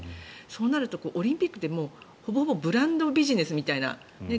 そうなるとオリンピックってほぼほぼブランドビジネスみたいな。